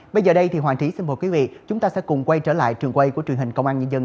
bây giờ đây thì hoàng trí xin mời quý vị chúng ta sẽ cùng quay trở lại trường quay của truyền hình công an nhân dân